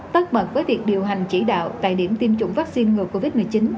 tất bật với việc điều hành chỉ đạo tại điểm tiêm chủng vaccine ngừa covid một mươi chín